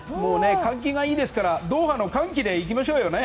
換気がいいですからドーハの歓喜で行きましょうね！